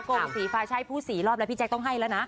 กงสีฟ้าช่ายผู้สีรอบแล้วพี่แจ็คต้องให้แล้วนะ